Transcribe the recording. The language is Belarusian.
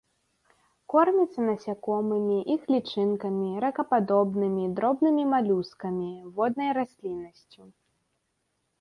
Корміцца насякомымі, іх лічынкамі, ракападобнымі, дробнымі малюскамі, воднай расліннасцю.